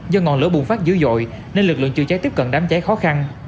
do ngọn lửa bùng phát dữ dội nên lực lượng chữa cháy tiếp cận đám cháy khó khăn